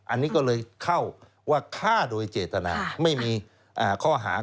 อันนี้ก็เลยเข้าว่าฆ่าโดยเจตนาไม่มีข้อหา